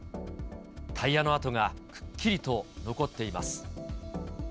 タイヤの跡がくっきりと残っています。